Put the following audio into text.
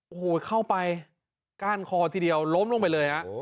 โอ้โหเข้าไปก้านคอทีเดียวล้มลงไปเลยฮะ